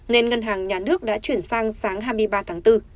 nên ngân hàng nhà nước đã chuyển sang sáng hai mươi ba tháng bốn